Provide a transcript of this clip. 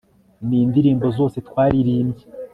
Nindirimbo zose twaririmbye